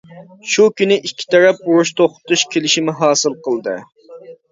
شۇ كۈنى ئىككى تەرەپ ئۇرۇش توختىتىش كېلىشىمى ھاسىل قىلدى.